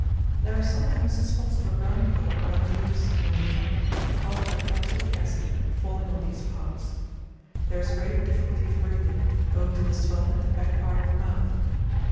There are sometimes spots of a brown colour round the lips and on the neck, caused by drops of the acid falling on these parts. There is great difficulty of breathing, owing to the swelling at the back part of the mouth.